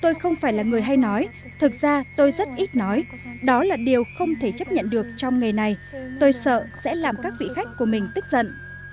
tôi không phải là người hay nói thực ra tôi rất ít nói đó là điều không thể chấp nhận được trong nghề này tôi sợ sẽ làm các vị khách của mình tức giận